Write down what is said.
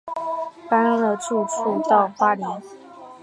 搬了住处到花莲